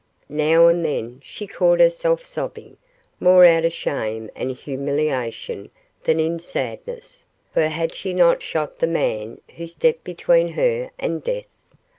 Now and then she caught herself sobbing, more out of shame and humiliation than in sadness, for had she not shot the man who stepped between her and death?